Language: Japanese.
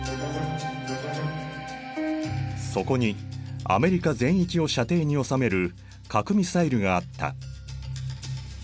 そこにアメリカ全域を射程に収める核ミサイルがあった。